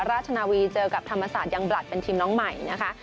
ราชนาวีเจอกับธรรมศาสตร์ยังบลัดเป็นทีมน้องใหม่นะคะ